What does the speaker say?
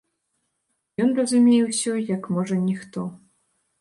Ён разумее ўсё, як, можа, ніхто.